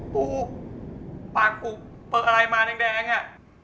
ปูปากกูเปิดอะไรมาแดงอะ